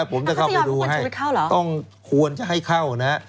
ผมจะเข้าไปดูให้ต้องควรจะให้เข้านะฮะ